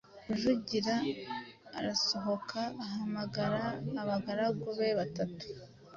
Rujugira arasohoka, ahamagara abagaragu be batatu,